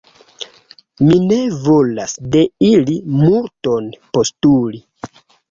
Mi ne volas de ili multon postuli.